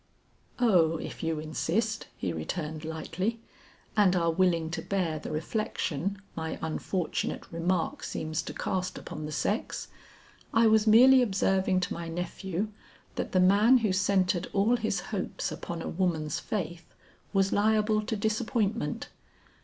"Oh if you insist," he returned lightly, "and are willing to bear the reflection my unfortunate remark seems to cast upon the sex, I was merely observing to my nephew, that the man who centered all his hopes upon a woman's faith, was liable to disappointment.